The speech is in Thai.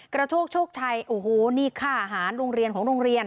โชกโชคชัยโอ้โหนี่ค่าอาหารโรงเรียนของโรงเรียน